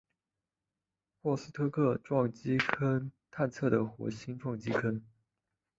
沃斯托克撞击坑探测的火星撞击坑。